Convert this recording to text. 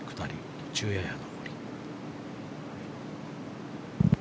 途中やや上り。